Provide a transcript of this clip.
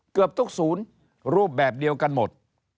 เกือบทุกศูนย์รูปแบบเดียวกันหมด